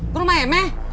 ke rumah emeh